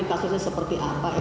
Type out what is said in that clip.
kasusnya seperti apa